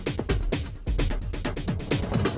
dalam pernikahan pemeramaan